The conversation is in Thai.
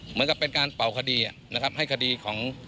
เหมือนกับเป็นการเป่าคดีนะครับให้คดีของ